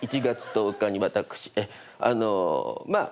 １月１０日に私あの。